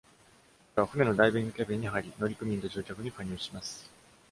彼は船のダイニングキャビンに入り、乗組員と乗客に加入します。